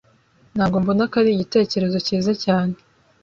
Ntabwo mbona ko ari igitekerezo cyiza cyane.